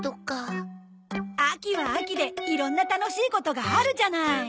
秋は秋でいろんな楽しいことがあるじゃない。